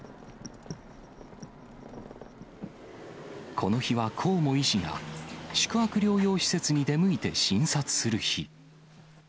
この日は、河面医師が宿泊療養施設に出向いて診察する日。